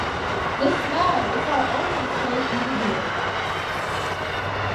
This man is our only safe medium.